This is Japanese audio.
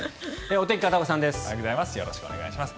おはようございます。